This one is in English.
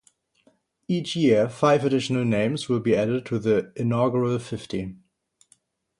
Each year five additional names will be added to the inaugural fifty.